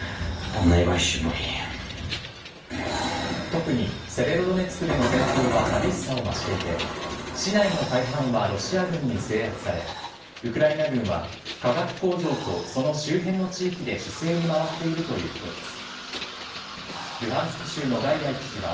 特にセベロドネツクでの戦闘は激しさを増していて、市内の大半はロシア軍に制圧され、ウクライナ軍は、化学工場とその周辺の地域で守勢に回っているということです。